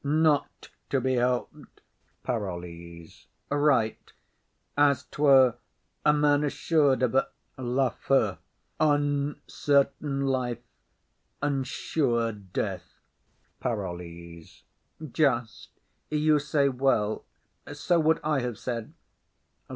Not to be helped. PAROLLES. Right; as 'twere a man assur'd of a— LAFEW. Uncertain life and sure death. PAROLLES. Just; you say well. So would I have said.